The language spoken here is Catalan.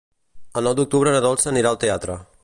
El nou d'octubre na Dolça anirà al teatre.